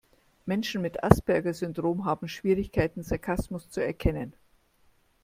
Menschen mit Asperger-Syndrom haben Schwierigkeiten, Sarkasmus zu erkennen.